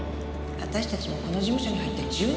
わたしたちもこの事務所に入って１０年よ。